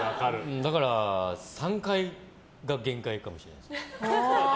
だから３階が限界かもしれない。